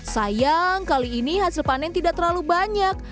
sayang kali ini hasil panen tidak terlalu banyak